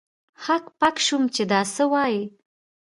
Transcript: هک پک سوم چې دا څه وايي.